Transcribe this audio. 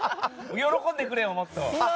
喜んでくれよ、もっと。